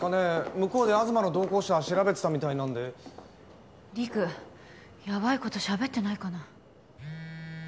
向こうで東の同行者調べてたみたいなんで陸ヤバいことしゃべってないかな？